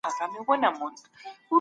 د هغې ونې مېوه ډېره خوږه ده.